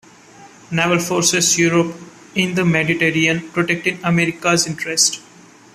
Naval Forces Europe in the Mediterranean protecting American interests.